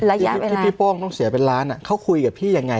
แล้วที่พี่โป้งต้องเสียเป็นล้านเขาคุยกับพี่ยังไง